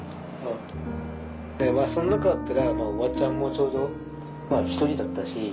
でその中だったらおばちゃんもちょうどひとりだったし。